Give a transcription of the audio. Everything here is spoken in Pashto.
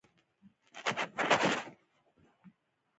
په پښتنه خاوره کې به شخړې بندوو